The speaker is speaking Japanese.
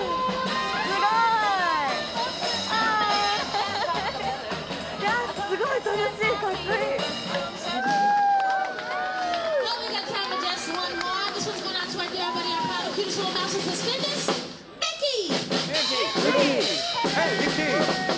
すごいハーイいやすごい楽しいかっこいいフウー！